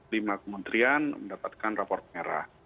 lima kementerian mendapatkan rapor merah